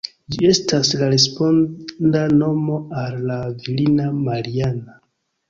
Ĝi estas la responda nomo al la virina Mariana.